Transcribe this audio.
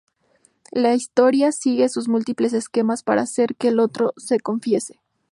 La historia sigue sus múltiples esquemas para hacer que el otro se confiese.